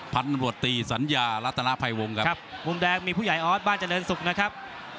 พันธุ์ตำรวจตีสัญญารัฐนาภัยวงครับครับมุมแดงมีผู้ใหญ่ออสบ้านเจริญศุกร์นะครับ